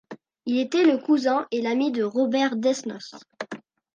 Il était le cousin et l'ami de Robert Desnos.